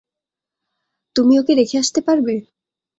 তুমি ওকে রেখে আসতে পারবে?